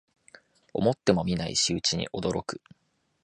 思ってもみない仕打ちに驚く